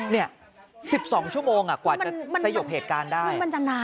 เนี่ย๑๒ชั่วโมงกว่าจะซยกเผจการได้